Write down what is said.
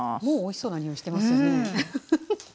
もうおいしそうなにおいしてますよね！